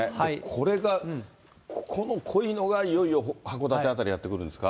これが、ここの濃いのがいよいよ函館辺りやって来るんですか。